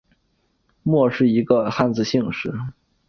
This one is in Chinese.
莫姓是一个汉字姓氏。